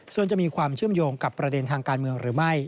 ส่วนจะมีความเชื่อมโยงกับประเด็นทางการเมืองหรือไม่